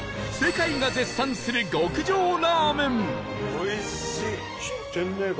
おいしい！